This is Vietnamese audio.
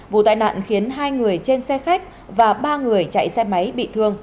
vụ tai nạn khiến hai người trên xe khách và ba người chạy xe máy bị thương